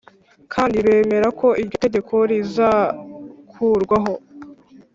Kandi bemera ko iryo tegeko ritazakurwaho